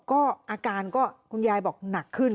ก็อาการก็คุณยายบอกหนักขึ้น